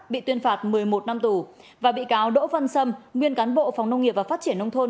bị tuyên phạt một mươi một năm tù và bị cáo đỗ văn sâm nguyên cán bộ phòng nông nghiệp và phát triển nông thôn